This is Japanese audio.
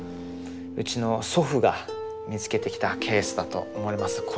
うちの祖父が見つけてきたケースだと思います。